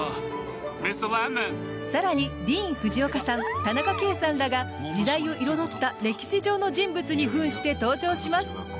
更にディーン・フジオカさん田中圭さんらが時代を彩った歴史上の人物に扮して登場します。